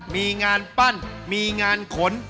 มีงานปั้นมีงานขน